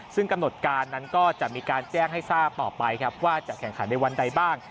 ซึ่งกำหนดการนั้นก็จะมีการแจ้งให้ทราบต่อไปครับว่าจะแข่งขันในวันใดบ้าง